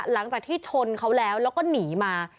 หลังจากที่ชนเขาแล้วแล้วก็หนีมา